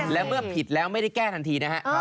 และเมื่อผิดแล้วไม่ได้แก้ทันทีนะฮะ